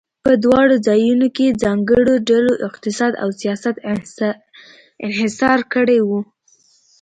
په دواړو ځایونو کې ځانګړو ډلو اقتصاد او سیاست انحصار کړی و.